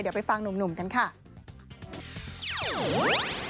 เดี๋ยวไปฟังหนุ่มกันค่ะ